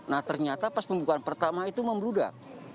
nah ternyata pas pembukaan pertama itu membludak